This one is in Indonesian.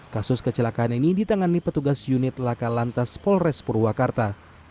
kasus kecelakaan ini ditangani petugas unit laka lantas polres purwakarta